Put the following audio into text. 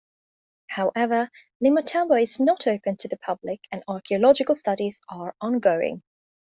However, Limatambo is not open to the public and archaeological studies are ongoing.